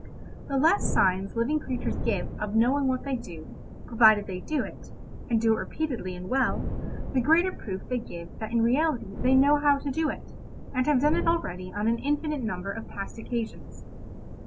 The less signs living creatures give of knowing what they do, provided they do it, and do it repeatedly and well, the greater proof they give that in reality they know how to do it, and have done it already on an infinite number of past occasions.